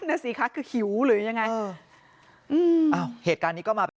น่ะสิคะคือหิวหรือยังไงเอออืมอ้าวเหตุการณ์นี้ก็มาเป็น